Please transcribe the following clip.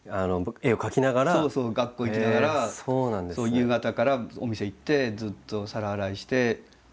学校行きながら夕方からお店行ってずっと皿洗いして。